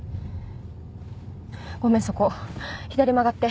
ごめんそこ左曲がって。